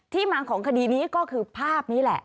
มาของคดีนี้ก็คือภาพนี้แหละ